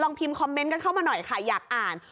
พิมพ์คอมเมนต์กันเข้ามาหน่อยค่ะอยากอ่าน